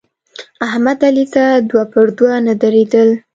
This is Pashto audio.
احمد علي ته دوه پر دوه نه درېدل.